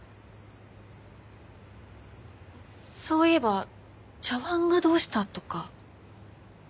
そういえば茶碗がどうしたとか。